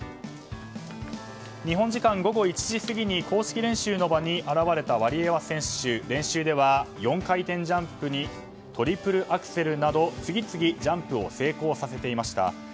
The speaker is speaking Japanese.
日本時間午後１時過ぎに公式練習の場に現れたワリエワ選手練習では４回転ジャンプにトリプルアクセルなど、次々ジャンプを成功させていました。